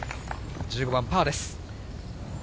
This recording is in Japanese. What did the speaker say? １５番パーです。